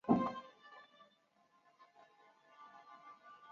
母亲是侧室阿波局。